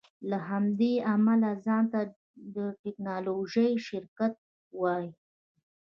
له همدې امله ځان ته د ټیکنالوژۍ شرکت وایې